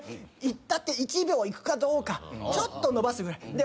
いったって１秒いくかどうかちょっとのばすぐらい。